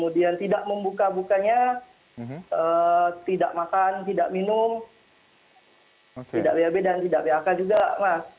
jadi yang tidak membuka bukanya tidak makan tidak minum tidak bab dan tidak bak juga